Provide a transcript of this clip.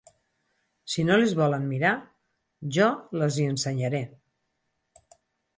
Si no les volen mirar, jo las hi ensenyaré